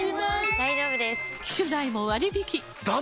大丈夫です！